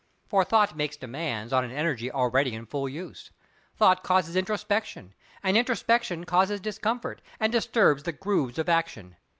For thought makes demands on an energy already in full use; thought causes introspection; and introspection causes discomfort, and disturbs the grooves of action.